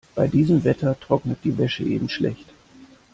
Bei diesem Wetter trocknet die Wäsche eben schlecht.